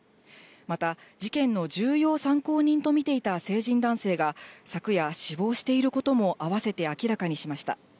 また、事件の重要参考人と見ていた成人男性が、昨夜、死亡していることもあわせて明らかにしました。